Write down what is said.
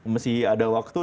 masih ada waktu